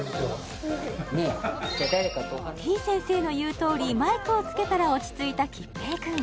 てぃ先生の言うとおりマイクを付けたら落ち着いたきっぺいくん